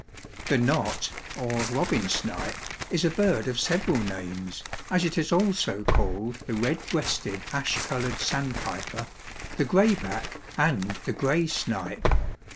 _) The Knot or Robin Snipe is a bird of several names, as it is also called the Red breasted Ash colored Sandpiper, the Gray back and the Gray Snipe.